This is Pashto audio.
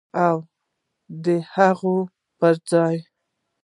او د هغوی پر ځای